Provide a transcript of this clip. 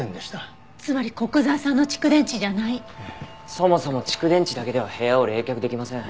そもそも蓄電池だけでは部屋を冷却できません。